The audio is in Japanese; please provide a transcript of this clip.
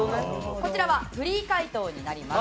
こちらはフリー解答になります。